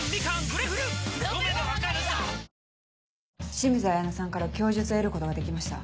清水彩菜さんから供述を得ることができました。